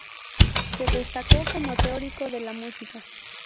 Se destacó como teórico de la música.